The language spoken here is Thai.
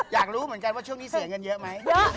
อยากรู้เหมือนกันว่าช่วงนี้เสียเงินเยอะไหม